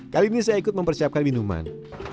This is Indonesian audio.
kali ini saya ikut mempersiapkan minuman